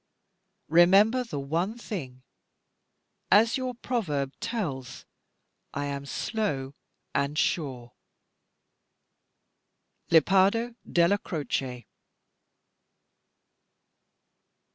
Remember the one thing, as your proverb tells, I am slow and sure. LEPARDO DELLA CROCE."